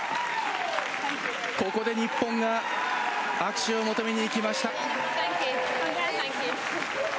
ここで日本が握手を求めにいきました。